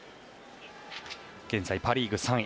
現在、パ・リーグ３位。